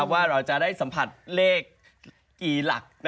ว่าเราจะได้สัมผัสเลขกี่หลัก